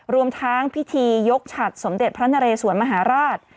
รวมทั้งพิธียกฉัดสมเด็จพระนเรสวนมหาราช